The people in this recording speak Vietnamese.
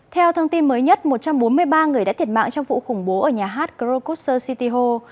theo thông tin mới nhất một trăm bốn mươi ba người đã thiệt mạng trong vụ khủng bố ở nhà hát krokuser city ho